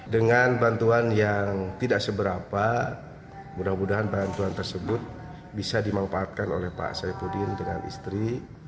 dengan bantuan yang tidak seberapa mudah mudahan bantuan tersebut bisa dimanfaatkan oleh pak saipudin dengan istri